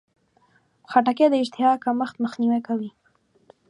خټکی د اشتها کمښت مخنیوی کوي.